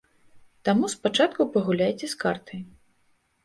Таму спачатку пагуляйце з картай.